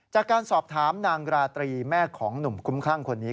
จากการสอบถามนางราตรีแม่ของหนุ่มคุ้มคลั่งคนนี้